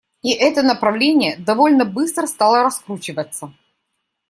И это направление довольно быстро стало раскручиваться.